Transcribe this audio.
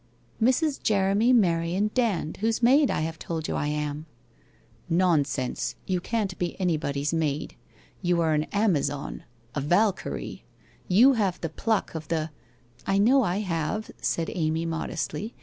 '' Mrs. Jeremy Merion Dand, whose maid I have told you I am.' ' Nonsense, you can't be anybody's maid. You are an Amazon, a Valkyrie, you have the pluck of the '' I know I have,' said Amy modestly.